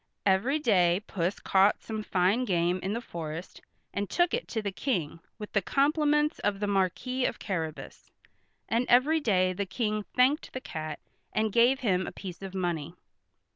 Every day Puss caught some fine game in the forest and took it to the King with the compliments of the Marquis of Carrabas, and every day the King thanked the cat and gave him a piece of money.